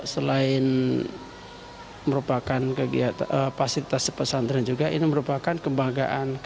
selain merupakan pasir tes pesantren juga ini merupakan kebanggaan